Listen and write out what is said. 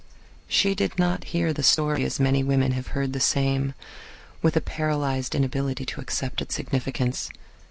She did not hear the story as many women have heard the same, with a paralyzed inability to accept its significance.